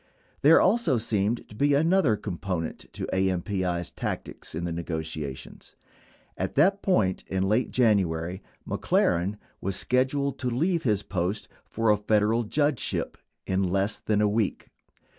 There also seemed to be another component to AMPI's tactics in the negotiations. At that point in late January, McLaren was sched uled to leave his post for a Federal judgeship in less than a week.